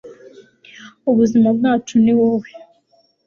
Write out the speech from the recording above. ubuzima bwacu ni wowe